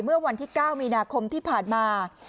เมื่อวันที่๙มีนาคมที่ผ่านมา